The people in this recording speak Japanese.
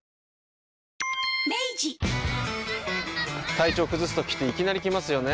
体調崩すときっていきなり来ますよね。